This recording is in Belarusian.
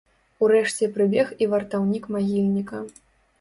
Урэшце прыбег і вартаўнік магільніка.